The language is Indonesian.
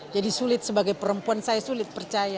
jadi sulit sebagai perempuan saya sulit percaya